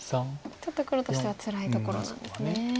ちょっと黒としてはつらいところなんですね。